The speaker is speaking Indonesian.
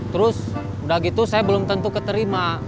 terus udah gitu saya belum tentu keterima